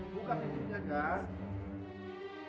buka pintunya kak